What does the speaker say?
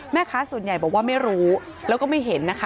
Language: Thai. แม่ค้าส่วนใหญ่บอกว่าไม่รู้แล้วก็ไม่เห็นนะคะ